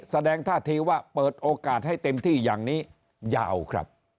แสดงท่าทีว่าเปิดโอกาสให้เต็มที่อย่างนี้ยาวครับ